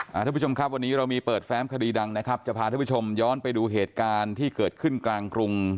ท่านผู้ชมครับวันนี้เรามีเปิดแฟ้มคดีดังนะครับจะพาท่านผู้ชมย้อนไปดูเหตุการณ์ที่เกิดขึ้นกลางกรุง